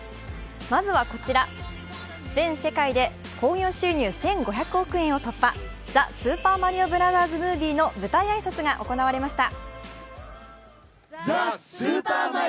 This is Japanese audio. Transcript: まずはこちら、全世界で興行収入１５００億円を突破「ザ・スーパーマリオブラザーズ・ムービー」の舞台挨拶が行われました